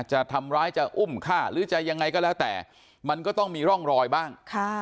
จะทำร้ายจะอุ้มฆ่าหรือจะยังไงก็แล้วแต่มันก็ต้องมีร่องรอยบ้าง